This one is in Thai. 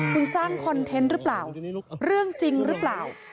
คุณสร้างคอนเทนต์หรือเปล่าเรื่องจริงหรือเปล่า